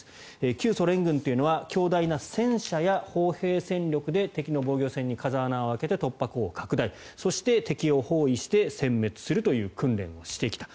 旧ソ連軍というのは強大な戦車や砲兵戦力で敵の防御線に風穴を開けて突破口を拡大そして敵を包囲してせん滅するという訓練をしてきた。